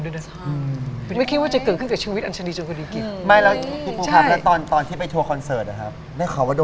เดี๋ยวคนนั้นก็ฉุดคนนั้นก็ฉุด